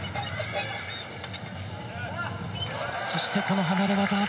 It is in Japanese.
そしてこの離れ技。